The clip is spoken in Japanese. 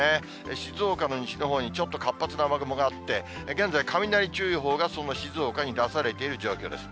静岡の西のほうにちょっと活発な雨雲があって、現在、雷注意報がその静岡に出されている状況です。